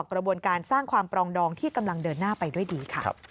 กระบวนการสร้างความปรองดองที่กำลังเดินหน้าไปด้วยดีค่ะ